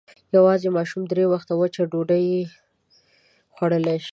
يواځې ماشومانو درې وخته وچه ډوډۍ خوړلی شوای.